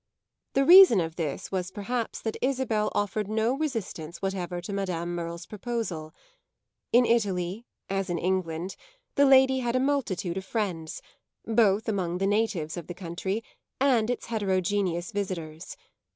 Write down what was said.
The reason of this was perhaps that Isabel offered no resistance whatever to Madame Merle's proposal. In Italy, as in England, the lady had a multitude of friends, both among the natives of the country and its heterogeneous visitors.